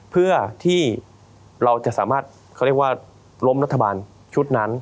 เพื่อที่เราจะสามารถเขาเรียกว่าล้มรัฐบาลชุดนั้น